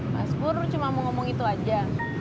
mas bur cuma mau ngomong itu aja